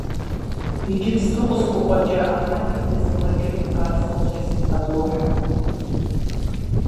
Иджыпсту къысхукъуэкӀа Ӏэмалыр блэзмыгъэкӀыну мурад сощӀри сыбгъэдохьэ.